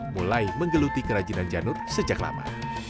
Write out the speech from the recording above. mulai menggeluti kerajinan janur sejak lama